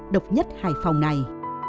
độc nhất hải phòng này